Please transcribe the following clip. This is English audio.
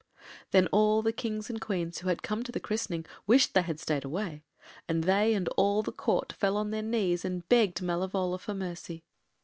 ” Then all the Kings and Queens who had come to the christening wished they had stayed away, and they and all the Court fell on their knees and begged Malevola for mercy.